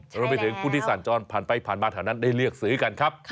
รวมไปถึงผู้ที่สัญจรผ่านไปผ่านมาแถวนั้นได้เลือกซื้อกันครับ